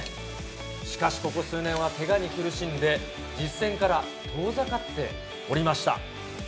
しかしここ数年はけがに苦しんで、実戦から遠ざかっておりました。